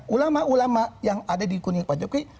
ulama ulama yang ada di kuning pak jokowi